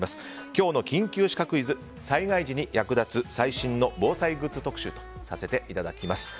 今日の緊急シカクイズ災害時に役立つ最新の防災グッズ特集とさせていただきます。